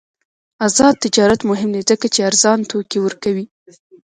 آزاد تجارت مهم دی ځکه چې ارزان توکي ورکوي.